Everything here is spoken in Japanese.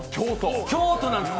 京都なんです